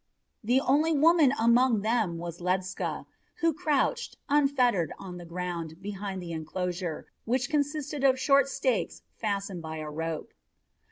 The only woman among them was Ledscha, who crouched, unfettered, on the ground behind the enclosure, which consisted of short stakes fastened by a rope.